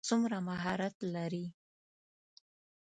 څومره مهارت لري.